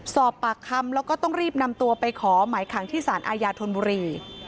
สอบปากคำแล้วก็ต้องรีบนำตัวไปขอหมายขังที่สารอาญาธนบุรี